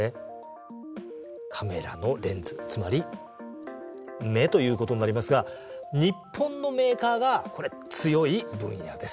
カメラのレンズつまり目ということになりますが日本のメーカーがこれ強い分野です。